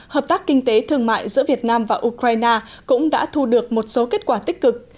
hợp tác kinh tế thương mại giữa việt nam và ukraine cũng đã thu được một số kết quả tích cực